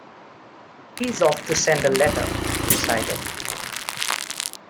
"He's off to send a letter," he decided.